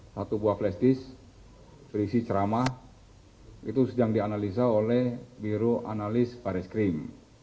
satu buah flash disk berisi ceramah itu sedang dianalisa oleh biro analis baris krim